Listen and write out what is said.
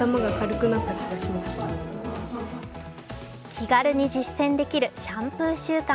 気軽に実践できるシャンプー習慣。